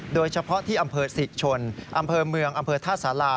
โดยเฉพาะที่อำเภอศรีชนอำเภอเมืองอำเภอท่าสารา